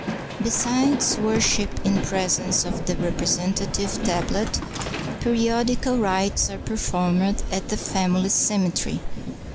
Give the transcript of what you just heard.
Besides worship in presence of the representative tab let, periodical rites are performed at the family ceme tery.